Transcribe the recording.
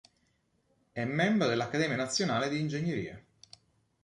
È membro dell'accademia nazionale di ingegneria.